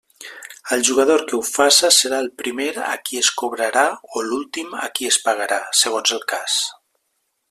Al jugador que ho faça serà el primer a qui es cobrarà o l'últim a qui es pagarà, segons el cas.